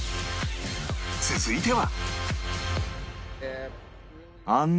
続いては